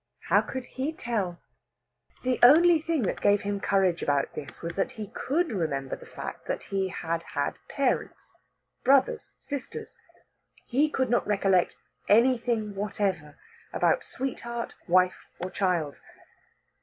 How could he tell? The only thing that gave him courage about this was that he could remember the fact that he had had parents, brothers, sisters. He could not recollect anything whatever about sweetheart, wife, or child.